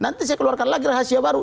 nanti saya keluarkan lagi rahasia baru